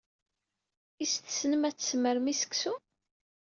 Is tessnem ad tessmrem i seksu?